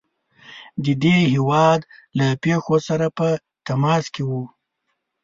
د دې هیواد له پیښو سره په تماس کې وو.